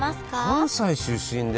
関西出身で？